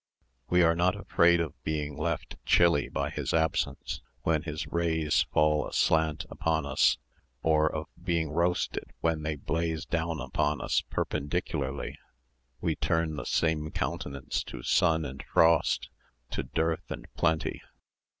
We are not afraid of being left chilly by his absence, when his rays fall aslant upon us, or of being roasted when they blaze down upon us perpendicularly. We turn the same countenance to sun and frost, to dearth and plenty.